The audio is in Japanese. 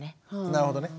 なるほど。